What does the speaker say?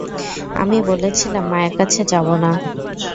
আমি বলেছিলাম মায়ের কাছে যাবো না।